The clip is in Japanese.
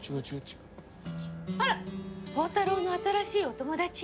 あら宝太郎の新しいお友達？